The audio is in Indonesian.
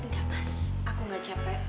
gak mas aku gak capek